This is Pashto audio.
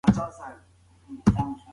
د قومي شخړو حل يې لومړيتوب و.